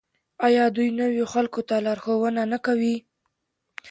آیا دوی نویو خلکو ته لارښوونه نه کوي؟